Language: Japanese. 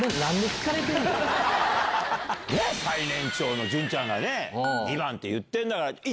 最年長の潤ちゃんが２番って言ってんだから。